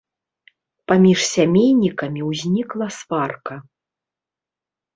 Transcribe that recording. Паміж сямейнікамі ўзнікла сварка.